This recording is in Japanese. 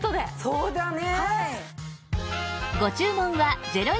そうだね！